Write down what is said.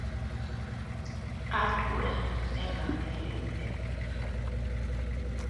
Atwell never married.